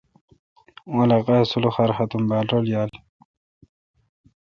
اوں علاقہ سلخار ختم بال رل یال۔